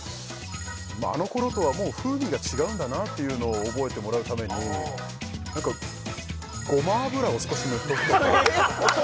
あのころとはもう風味が違うんだなというのを覚えてもらうためにごま油を少し塗っとくとかえっ大人！